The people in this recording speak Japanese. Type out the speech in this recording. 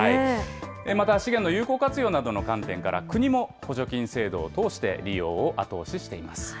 また、資源の有効活用などの観点から、国も補助金制度を通して利用を後押ししています。